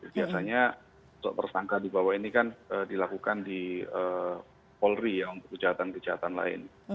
biasanya sosok tersangka dibawa ini kan dilakukan di polri ya untuk kejahatan kejahatan lain